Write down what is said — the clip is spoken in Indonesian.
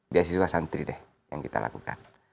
beasiswa santri deh yang kita lakukan